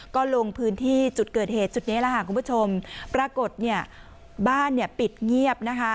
ก็ลงพื้นที่จุดเกิดเหตุจุดนี้คุณผู้ชมปรากฏบ้านปิดเงียบ